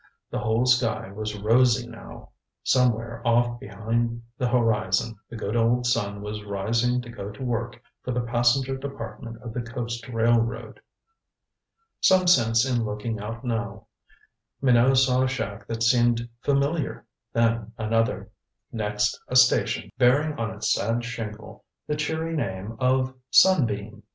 The whole sky was rosy now. Somewhere off behind the horizon the good old sun was rising to go to work for the passenger department of the coast railroad. Some sense in looking out now. Minot saw a shack that seemed familiar then another. Next a station, bearing on its sad shingle the cheery name of "Sunbeam."